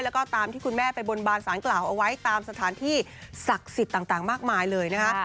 แล้วก็ตามที่คุณแม่ไปบนบานสารกล่าวเอาไว้ตามสถานที่ศักดิ์สิทธิ์ต่างมากมายเลยนะคะ